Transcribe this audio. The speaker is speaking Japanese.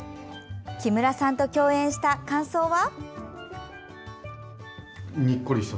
木村さんと共演した感想は？